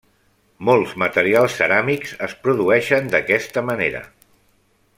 Molts materials ceràmics es produeixen d'aquesta manera.